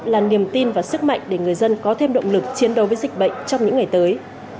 là niềm tin và sức mạnh để người dân có thêm động lực chiến đấu với dịch bệnh trong những ngày tới